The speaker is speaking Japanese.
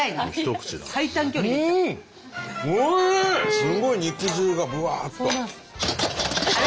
すごい肉汁がブワっと。